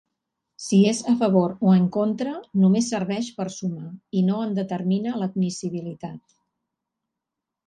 Si és a favor o en contra només serveix per sumar i no en determina l'admissibilitat.